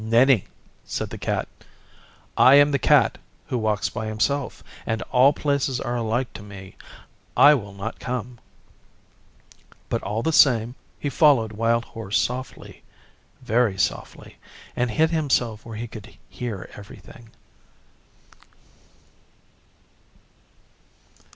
'Nenni!' said the Cat. 'I am the Cat who walks by himself, and all places are alike to me. I will not come.' But all the same he followed Wild Horse softly, very softly, and hid himself where he could hear everything.